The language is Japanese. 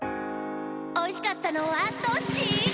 おいしかったのはどっち？